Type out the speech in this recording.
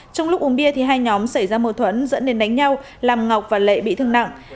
trong lúc uống bia thì hai nhóm xảy ra mâu thuẫn dẫn đến đánh nhau làm ngọc và lệ bị thương nặng